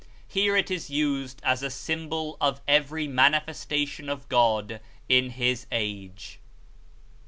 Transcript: Here it is used as a symbol of every Manifestation of God in His age.